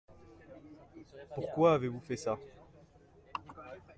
Pourquoi avez-vous fait ça ?